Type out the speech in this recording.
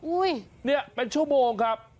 เนี่ยเป็นชั่วโมงครับ